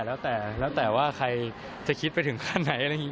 แล้วแต่แล้วแต่ว่าใครจะคิดไปถึงขั้นไหนอะไรอย่างนี้